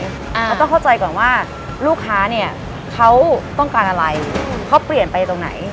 เราต้องเข้าใจก่อนว่าลูกค้าเนี่ยเขาต้องการอะไรเขาเปลี่ยนไปตรงไหน